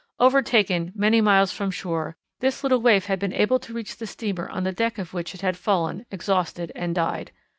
Overtaken many miles from shore, this little waif had been able to reach the steamer on the deck of which it had fallen exhausted and died.